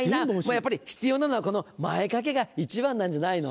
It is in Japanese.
やっぱり必要なのはこの前掛けが一番なんじゃないの？